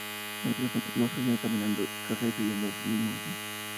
Los viajes los hacía caminando descalza y pidiendo limosnas.